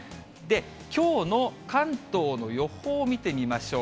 きょうの関東の予報を見てみましょう。